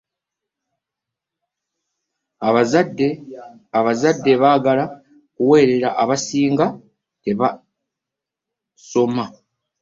Abazadde abaagala okuweerera abasinga tebaasoma.